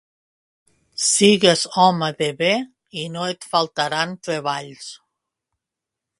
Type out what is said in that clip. Sigues home de bé i no et faltaran treballs.